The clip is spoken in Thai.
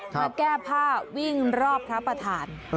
มาแก้ผ้าวิ่งรอบพระประธาน